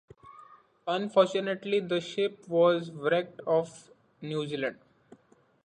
Unfortunately the ship was wrecked off New Zealand.